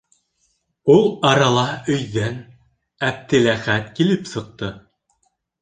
Ул арала өйҙән Әптеләхәт килеп сыҡты.